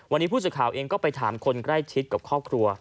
วันนี้ผู้สื่อข่าวเองก็ไปถามคนใกล้ชิดกับครอบครัว